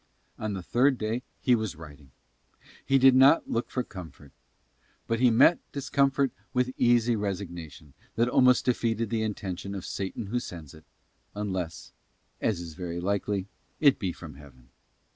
On the third day he was riding. He did not look for comfort. But he met discomfort with an easy resignation that almost defeated the intention of Satan who sends it, unless as is very likely it be from Heaven.